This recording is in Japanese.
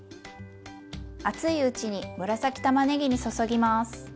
熱いうちに紫たまねぎに注ぎます。